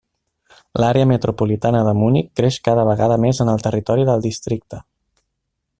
L'àrea metropolitana de Munic creix cada vegada més en el territori del districte.